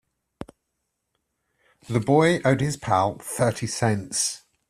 The boy owed his pal thirty cents.